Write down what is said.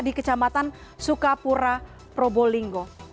di kecamatan sukapura probolinggo